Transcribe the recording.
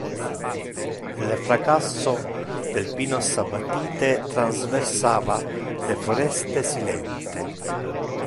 Le fracasso del pinos abattite transversa le foreste silente.